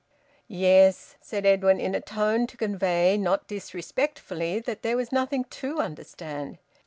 "Yes," said Edwin, in a tone to convey, not disrespectfully, that there was nothing to understand.